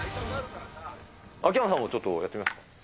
秋山さんもちょっとやってみますか？